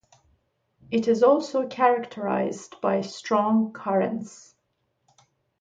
It is also characterised by strong currents.